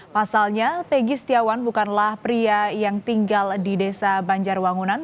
pasalnya tegi setiawan bukanlah pria yang tinggal di desa banjarwangunan